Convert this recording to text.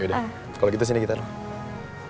yaudah kalau gitu sini gitar lo